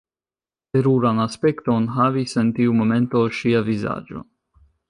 Teruran aspekton havis en tiu momento ŝia vizaĝo.